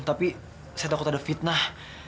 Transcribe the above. tapi saya takut ada fitnah